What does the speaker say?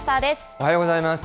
おはようございます。